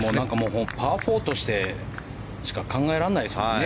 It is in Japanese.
パー４としてしか考えられないですよね。